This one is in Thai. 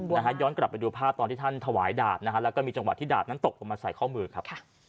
ย้อนกลับไปดูภาพตอนที่ท่านถวายดาบนะฮะแล้วก็มีจังหวะที่ดาบนั้นตกลงมาใส่ข้อมือครับ